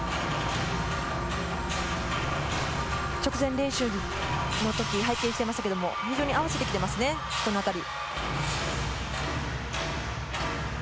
直前練習の時、拝見してましたけど、合わせてきていますね、このあたり。